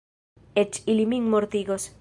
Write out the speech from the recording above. Eĉ ili min mortigos.